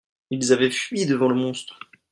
ils avaient fui devant le monstre.